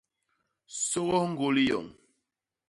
Sôgôs ñgôli yoñ.